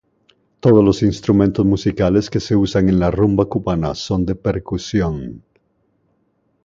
Todos los instrumentos musicales que se usan en la rumba cubana son de percusión.